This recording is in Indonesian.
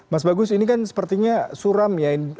mas bagus ini kan sepertinya suram ya